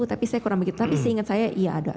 tapi saya kurang begitu tapi seingat saya iya ada